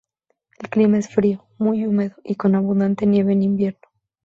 El clima es frío, muy húmedo y con abundante nieve en invierno.